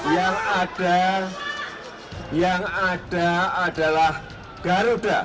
yang ada adalah garuda